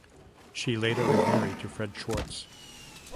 She later remarried to Fred Swartz.